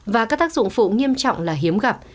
và các tác dụng phụ nghiêm trọng là hiếm gặp